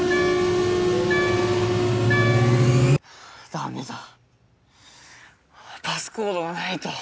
ダメだパスコードがないと。